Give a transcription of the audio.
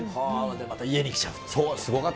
また家に来ちゃう。